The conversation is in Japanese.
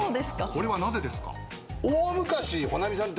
これはなぜですか？